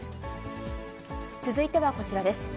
続いてはこちらです。